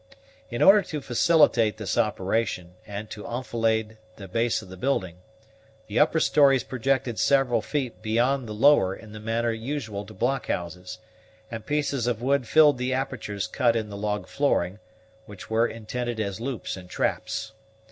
In order to facilitate this operation, and to enfilade the base of the building, the upper stories projected several feet beyond the lower in the manner usual to blockhouses, and pieces of wood filled the apertures cut in the log flooring, which were intended as loops and traps.